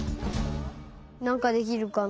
なんかできるかな？